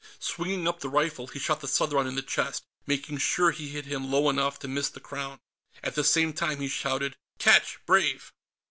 Swinging up the rifle, he shot the Southron in the chest, making sure he hit him low enough to miss the Crown. At the same time, he shouted: "_Catch, Brave!